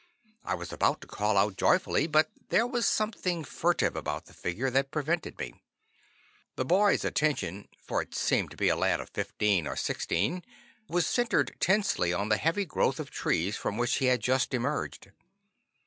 I was about to call out joyfully, but there was something furtive about the figure that prevented me. The boy's attention (for it seemed to be a lad of fifteen or sixteen) was centered tensely on the heavy growth of trees from which he had just emerged.